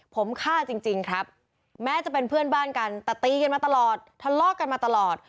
ผมฆ่าจริงครับแม้จะเป็นเพื่อนบ้านกันแต่ตีกันมาตลอดทะเลาะกันมาตลอด